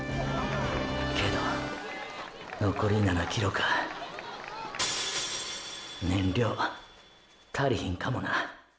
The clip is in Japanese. けどのこり７ｋｍか燃料足りひんかもな。